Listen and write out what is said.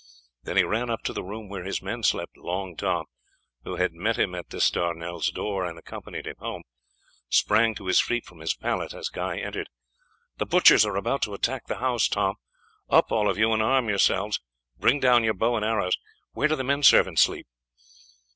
Then he ran up to the room where his men slept. Long Tom, who had met him at D'Estournel's door and accompanied him home, sprang to his feet from his pallet as Guy entered. "The butchers are about to attack the house, Tom; up all of you and arm yourselves; bring down your bow and arrows. Where do the men servants sleep?"